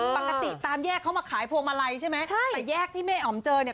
ตามแยกเขามาขายพวงมาลัยใช่ไหมใช่แต่แยกที่แม่อ๋อมเจอเนี่ย